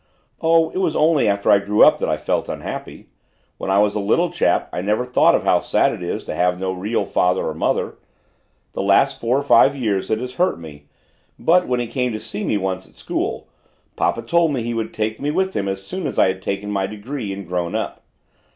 "Oh, it was only after I grew up that I felt unhappy. When I was a little chap I never thought of how sad it is to have no real father or mother. The last four or five years it has hurt me, but when he came to see me once at school, papa told me he would take me with him as soon as I had taken my degree and grown up.